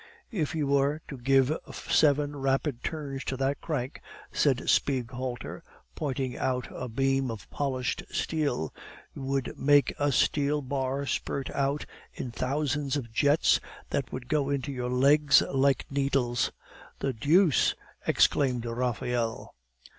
"If you were to give seven rapid turns to that crank," said Spieghalter, pointing out a beam of polished steel, "you would make a steel bar spurt out in thousands of jets, that would get into your legs like needles." "The deuce!" exclaimed Raphael.